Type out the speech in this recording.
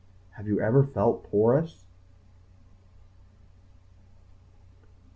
Have you ever felt porous?...